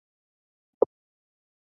د غیبت یوه خبره ثوابونه له منځه وړي.